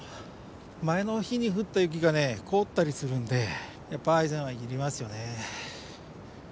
前の日に降った雪がね凍ったりするんでやっぱアイゼンはいりますよね。